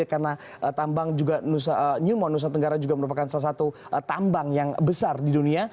karena tambang juga newmont nusa tenggara juga merupakan salah satu tambang yang besar di dunia